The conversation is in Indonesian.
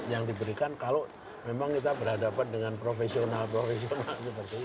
yang diberikan kalau memang kita berhadapan dengan profesional profesional seperti itu